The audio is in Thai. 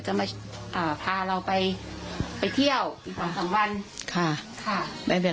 จะมาอ่าพาเราไปไปเที่ยวอีกหวังสองวันค่ะค่ะไม่เป็น